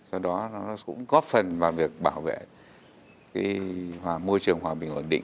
do đó nó cũng góp phần vào việc bảo vệ môi trường hòa bình ổn định